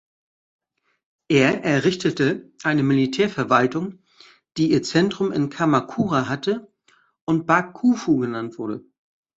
Er errichtete eine Militärverwaltung, die ihr Zentrum in Kamakura hatte und "Bakufu" genannt wurde.